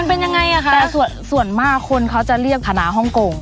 มันเป็นยังไงอ่ะคะแต่ส่วนมากคนเขาจะเรียกธนาฮ่องกง